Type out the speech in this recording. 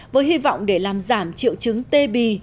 với hy vọng để làm giảm triệu chứng tê bì